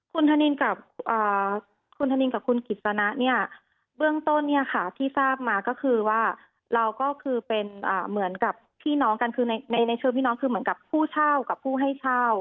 คุณธนินกับคุณธนินกับคุณกิจสนะเนี่ยเบื้องต้นเนี่ยค่ะที่ทราบมาก็คือว่าเราก็คือเป็นเหมือนกับพี่น้องกันคือในเชิงพี่น้องคือเหมือนกับผู้เช่ากับผู้ให้เช่า